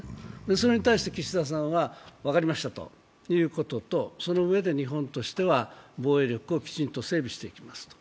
それに対して岸田さんは分かりましたということと、そのうえで日本としては、防衛力をきちんと整理していきますと。